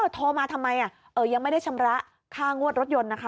โทรมาทำไมยังไม่ได้ชำระค่างวดรถยนต์นะคะ